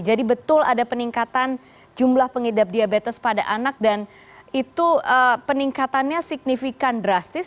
jadi betul ada peningkatan jumlah pengidap diabetes pada anak dan itu peningkatannya signifikan drastis